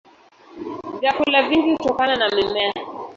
Vyakula vingi hutokana na mimea.